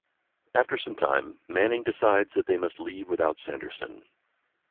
After some time, Manning decides that they must leave without Sanderson.